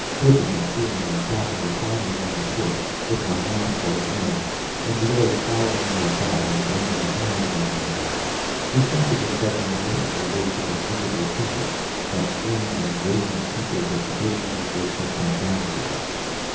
Clipping and pruning and tacking the climbers on the porch, with my mouth full of nails, and Lloyd following me about and lending a hand now and again, we fell to discussing the mythical race of invisible people, that strange and vagrant people the traditions of which have come down to us.